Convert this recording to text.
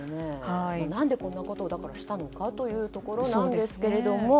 何でこんなことをしたのかというところなんですけども。